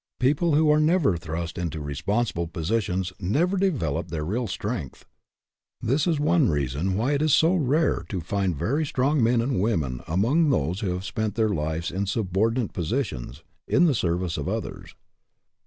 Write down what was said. People who are never thrust into responsible positions never develop their real strength. This is one reason why it is so rare to find very strong men and women among those who have spent their lives in subordinate positions, in the service of others.